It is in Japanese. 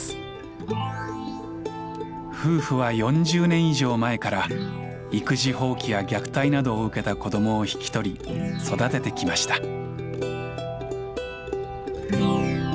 夫婦は４０年以上前から育児放棄や虐待などを受けた子どもを引き取り育ててきました。